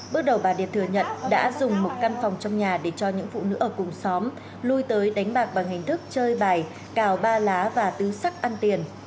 bước đầu bà điệp thừa nhận đã dùng một căn phòng trong nhà để cho những phụ nữ ở cùng xóm lui tới đánh bạc bằng hình thức chơi bài cào ba lá và tứ sắc ăn tiền